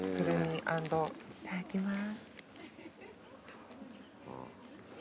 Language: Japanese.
いただきます。